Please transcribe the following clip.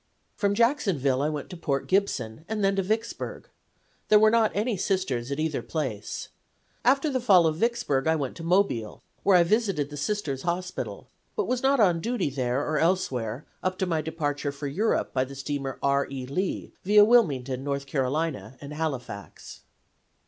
From Jacksonville I went to Port Gibson, and then to Vicksburg. There were not any Sisters at either place. After the fall of Vicksburg I went to Mobile, where I visited the Sisters' hospital, but was not on duty there or elsewhere up to my departure for Europe by the Steamer R. E. Lee, via Wilmington, N. C., and Halifax."